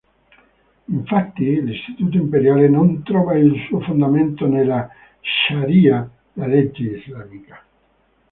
Infatti, l'istituto imperiale non trova il suo fondamento nella "shari‘a", la legge islamica.